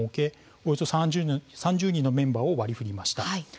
およそ３０人のメンバーを割り振りました。